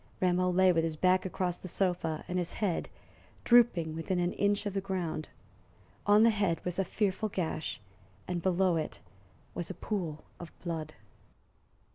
Rameau lay with his back across the sofa and his head drooping within an inch of the ground. On the head was a fearful gash, and below it was a pool of blood.